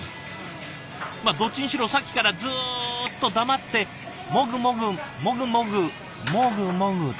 まあどっちにしろさっきからずっと黙ってもぐもぐもぐもぐもぐもぐ。